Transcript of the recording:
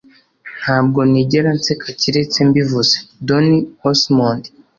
ntabwo nigera nseka keretse mbivuze. - donny osmond